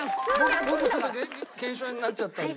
僕もちょっと手腱鞘炎になっちゃったんで。